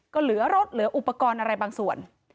ก็เหลือรถเหลืออุปกรณ์อะไรบางส่วน